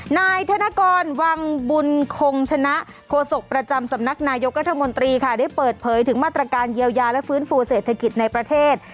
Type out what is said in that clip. นายธนกรวังบุญคงชนะโฆษกประจำสำนักนายกรัฐมนตรีค่ะได้เปิดเผยถึงมาตรการเยียวยาและฟื้นฟูเศรษฐกิจในประเทศ